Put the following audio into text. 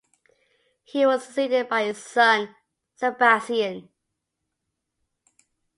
He was succeeded by his son, Sebastian.